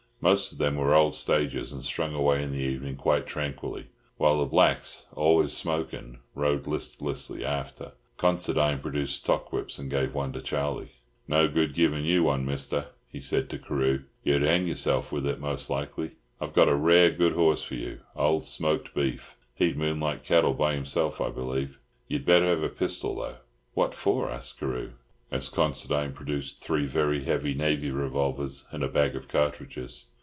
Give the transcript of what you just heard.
Most of them were old stagers, and strung away in the evening quite tranquilly, while the blacks, always smoking, rode listlessly after. Considine produced two stockwhips, and gave one to Charlie. "No good givin' you one. Mister," he said to Carew. "You'd hang yourself with it most likely. I've got a rare good horse for you—old Smoked Beef. He'd moonlight cattle by himself, I believe. You'd better have a pistol, though." "What for?" asked Carew, as Considine produced three very heavy navy revolvers and a bag of cartridges.